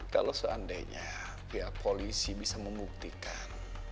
kalau seandainya pihak polisi bisa membuktikan